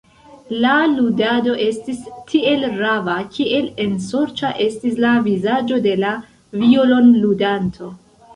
La ludado estis tiel rava, kiel ensorĉa estis la vizaĝo de la violonludanto.